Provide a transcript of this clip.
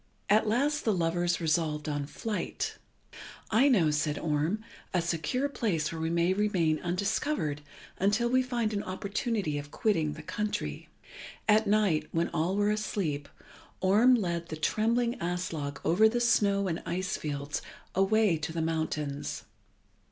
At last the lovers resolved on flight. "I know," said Orm, "a secure place where we may remain undiscovered until we find an opportunity of quitting the country." At night, when all were asleep, Orm led the trembling Aslog over the snow and ice fields away to the mountains.